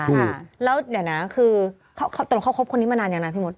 แล้วเดี๋ยวนะคือเขาครบคนนี้มานานอย่างไรพี่มุทร